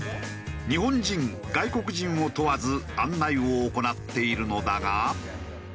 日本人外国人を問わず案内を行っているのだが。